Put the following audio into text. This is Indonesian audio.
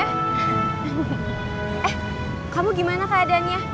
eh kamu gimana keadaannya